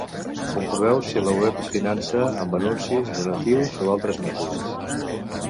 Comproveu si la web es finança amb anuncis, donatius o altres mètodes.